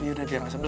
yaudah diam aja dulu